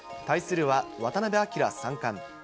対するは渡辺明三冠。